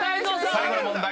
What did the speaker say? ［最後の問題